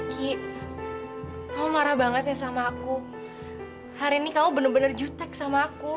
ki kamu marah banget nih sama aku hari ini kamu bener bener jutek sama aku